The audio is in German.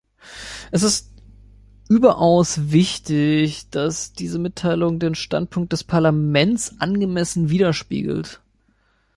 Es ist überaus wichtig, dass diese Mitteilung den Standpunkt des Parlaments angemessen widerspiegelt.